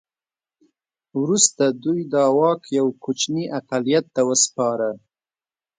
وروسته دوی دا واک یو کوچني اقلیت ته وسپاره.